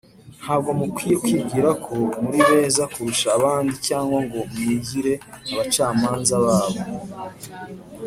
” ntabwo mukwiye kwibwira ko muri beza kurusha abandi cyangwa ngo mwigire abacamanza babo